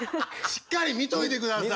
しっかり見といて下さい！